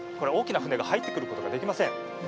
大きな船が入ってくることができません。